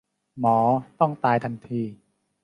หมอต้องตายทันที